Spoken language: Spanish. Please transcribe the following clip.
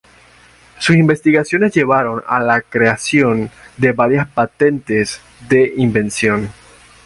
Sus investigaciones llevaron a la concreción de varias patentes de invención.